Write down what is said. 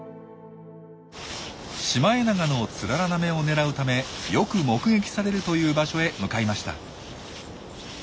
シマエナガのツララなめをねらうためよく目撃されるという場所へ向かいました。